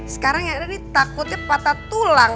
sekarang yang ada ini takutnya patah tulang